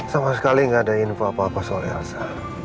sama sekali nggak ada info apa apa soal elsa